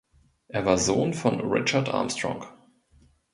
Er war Sohn von Richard Armstrong.